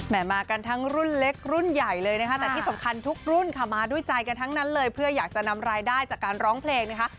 มากันทั้งรุ่นเล็กรุ่นใหญ่เลยนะคะแต่ที่สำคัญทุกรุ่นค่ะมาด้วยใจกันทั้งนั้นเลยเพื่ออยากจะนำรายได้จากการร้องเพลงนะคะ